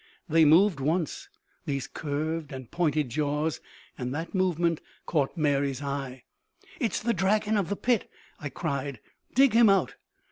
They moved once, these curved and pointed jaws, and that movement caught Mary's eye. "It's the dragon of the pit," I cried. "Dig him out!"